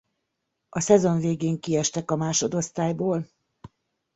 A szezon végén kiestek a másodosztályból.